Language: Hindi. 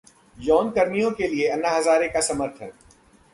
यौनकर्मियों ने किया अन्ना हजारे का समर्थन